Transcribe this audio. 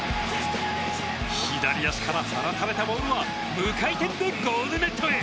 左足から放たれたボールは無回転でゴールネットへ。